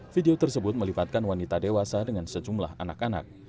video tersebut melibatkan wanita dewasa dengan sejumlah anak anak